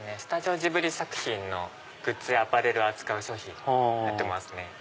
スタジオジブリ作品のグッズやアパレルを扱ってますね。